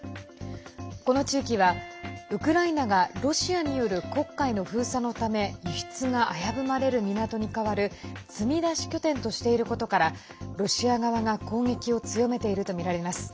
この地域は、ウクライナがロシアによる黒海の封鎖のため輸出が危ぶまれる港に代わる積み出し拠点としていることからロシア側が攻撃を強めているとみられます。